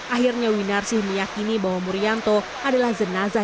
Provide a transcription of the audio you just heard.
akhirnya winarsih meyakini bahwa murianto adalah jenazah